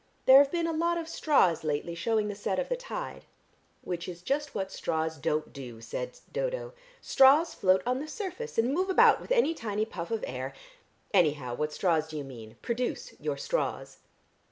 There have been a lot of straws lately shewing the set of the tide." "Which is just what straws don't do," said Dodo. "Straws float on the surface, and move about with any tiny puff of air. Anyhow, what straws do you mean? Produce your straws."